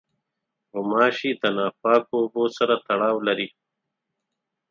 غوماشې د ناپاکو اوبو سره تړاو لري.